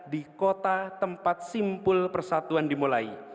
di kota tempat simpul persatuan dimulai